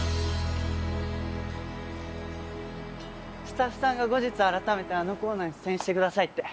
スタッフさんが後日改めてあのコーナーに出演してくださいって。